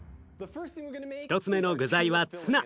１つ目の具材はツナ。